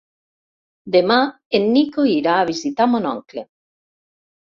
Demà en Nico irà a visitar mon oncle.